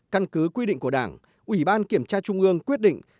căn cứ quy định của đảng ủy ban kiểm tra trung ương quyết định